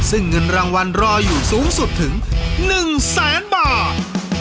ซึ่งเงินรางวัลรออยู่สูงสุดถึง๑แสนบาท